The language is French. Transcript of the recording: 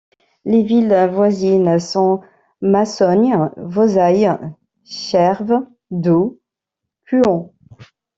Les villes voisines sont Massognes, Vouzailles, Cherves, Doux, Cuhon.